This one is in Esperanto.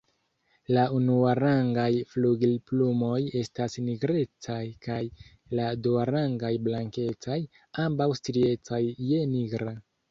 La unuarangaj flugilplumoj estas nigrecaj kaj la duarangaj blankecaj, ambaŭ striecaj je nigra.